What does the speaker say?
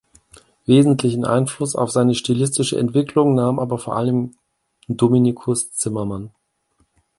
Wesentlichen Einfluss auf seine stilistische Entwicklung nahm aber vor allem Dominikus Zimmermann.